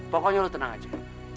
pokoknya lo tenang aja